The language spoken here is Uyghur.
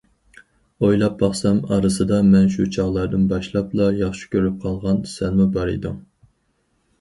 ئويلاپ باقسام ئارىسىدا مەن شۇ چاغلاردىن باشلاپلا ياخشى كۆرۈپ قالغان سەنمۇ بار ئىدىڭ!